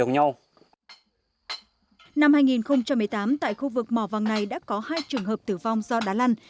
năm hai nghìn một mươi tám tại khu vực mỏ vàng này đã có hai trường hợp tử vong do đá lăn